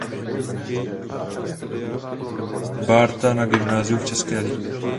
Bárta na gymnáziu v České Lípě.